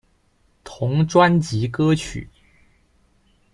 同专辑歌曲。